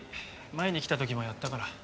前に来た時もやったから。